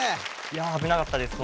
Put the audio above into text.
いやっ危なかったです